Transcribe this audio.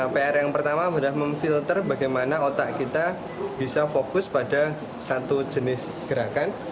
pr yang pertama adalah memfilter bagaimana otak kita bisa fokus pada satu jenis gerakan